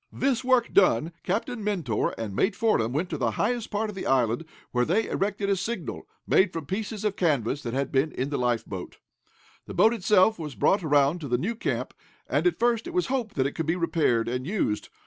This work done, Captain Mentor and Mate Fordam went to the highest part of the island, where they erected a signal, made from pieces of canvas that had been in the life boat. The boat itself was brought around to the new camp, and at first it was hoped that it could be repaired, and used.